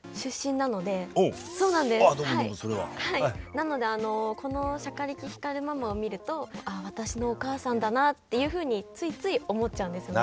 なのでこのしゃかりき光ママを見るとあ私のお母さんだなっていうふうについつい思っちゃうんですね。